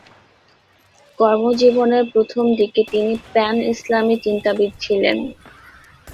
কর্মজীবনের প্রথমদিকে তিনি প্যান ইসলামি চিন্তাবিদ ছিলেন।